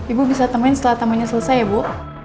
ibu bisa temuin setelah tamunya selesai ya bu